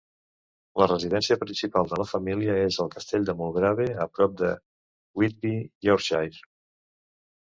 La residència principal de la família és el castell de Mulgrave a prop de Whitby, Yorkshire.